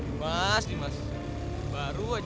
nggak ada uang nggak ada uang